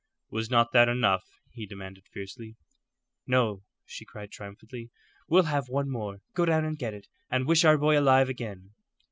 "Was not that enough?" he demanded, fiercely. "No," she cried, triumphantly; "we'll have one more. Go down and get it quickly, and wish our boy alive again."